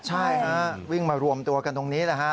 ใช่ครับวิ่งมารวมตัวกันตรงนี้แล้วฮะ